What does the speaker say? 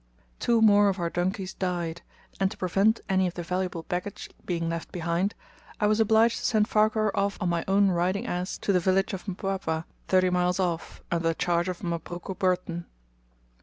Two more of our donkeys died, and to prevent any of the valuable baggage being left behind, I was obliged to send Farquhar off on my own riding ass to the village of Mpwapwa, thirty miles off, under charge of Mabruki Burton.